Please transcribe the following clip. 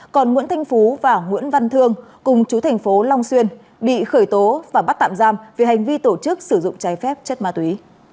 còn nguyễn thanh phú và nguyễn văn thương cùng chú thành phố long xuyên bị khởi tố và bắt tạm giam vì hành vi tổ chức sử dụng trái phép chất ma túy